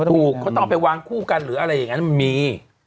ถูกเขาต้องเอาไปวางคู่กันหรืออะไรอย่างนั้นมันมี